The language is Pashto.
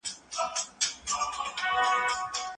چي له دام څخه خلاصیږو د ښکاریانو